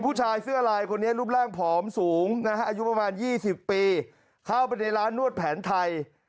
ผู้ชายเสื้อลายคนนี้รูปร่างผอมสูงนะฮะอายุประมาณ๒๐ปีเข้าไปในร้านนวดแผนไทย